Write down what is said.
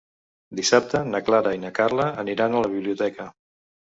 Dissabte na Clara i na Carla aniran a la biblioteca.